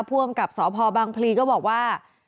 ผู้อำกับสพบางภิษฐ์ก็บอกว่า